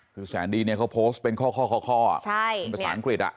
คือแสนดีเนี่ยเค้าโพสต์เป็นข้อข้ออ่ะเป็นประสานกฤทธิ์อ่ะ